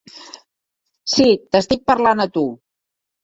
Sí, t'estic parlant a tu.